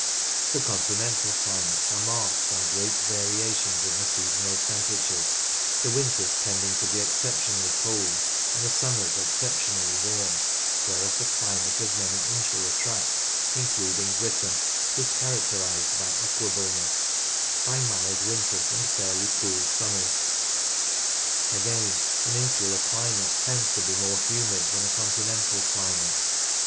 The continental climates are marked by great variations in the seasonal tempera tures, the winters tending to be exceptionally cold and the summers exceptionally warm, whereas the climate of many insular tracts, including Britain, is characterised by equableness, — by mild winters and fairly cool summers. Again, an insular climate tends to be more humid than a continental climate.